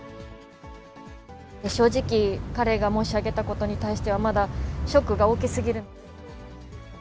正直、彼が申し上げたことに対しては、まだショックが大きすぎるので。